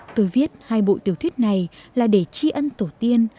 tôi viết hai bộ tiểu thuyết này là để tri ân tổ tiên